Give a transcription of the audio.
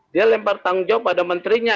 dia lempar tanggung jawab pada menterinya